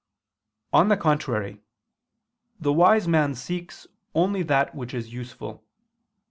On the contrary, The wise man seeks only that which is useful.